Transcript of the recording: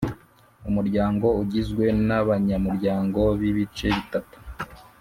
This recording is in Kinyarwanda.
Umuryango ugizwe n abanyamuryango b ibice bitatu